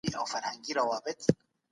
فارابي موږ ته د يووالي درس راکوي.